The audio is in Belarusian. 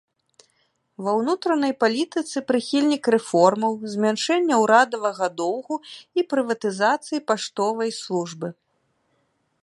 Ва ўнутранай палітыцы прыхільнік рэформаў, змяншэння ўрадавага доўгу і прыватызацыі паштовай службы.